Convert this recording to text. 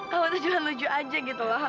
kamu tuh cuma lucu aja gitu loh